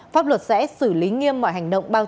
pháp luật sẽ xử lý nghiêm mọi hành động bao nhiêu